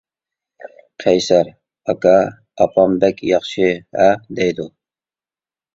قەيسەر:-ئاكا، ئاپام بەك ياخشى ھە دەيدۇ.